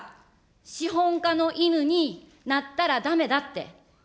資本家の犬になったらだめだって。